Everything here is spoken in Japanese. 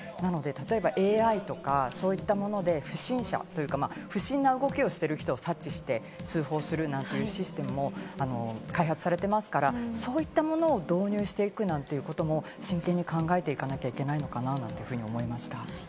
なので例えばＡＩとか、そういったもので不審者というか、不審な動きをしている人を察知して通報するなんていうシステムも開発されてますから、そういったものを導入していくなんてことも真剣に考えていかなきゃいけないのかな、なんていうふうに思いました。